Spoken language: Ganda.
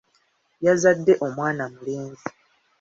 Yazadde omwana mulenzi.